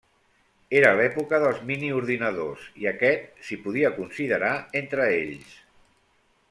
Era l'època dels miniordinadors i aquest s'hi podia considerar entre ells.